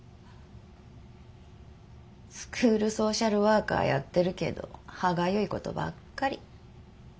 スクールソーシャルワーカーやってるけど歯がゆいことばっかり。